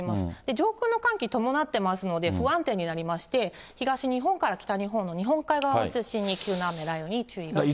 上空の寒気伴ってますので不安定になりまして、東日本から北日本の日本海側を中心に急な雨や雷雨に注意が必要です。